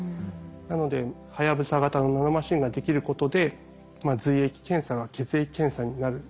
なのではやぶさ型のナノマシンができることで髄液検査が血液検査になる。